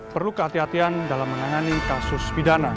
perlu kehatian kehatian dalam menangani kasus pidana